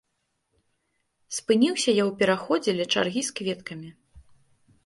Спыніўся я ў пераходзе ля чаргі з кветкамі.